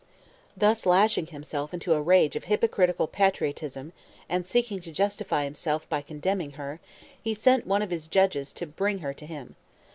Thus lashing himself into a rage of hypocritical patriotism, and seeking to justify himself by condemning her, he sent one of his judges to bring her to him.